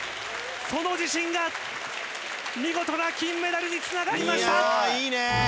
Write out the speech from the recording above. その自信が見事な金メダルにつながりました！